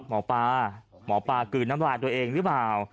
หมอปลาหมอปลากลืนน้ำลายตัวเองหรือเปล่า